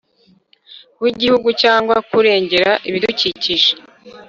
w Igihugu cyangwa kurengera ibidukikije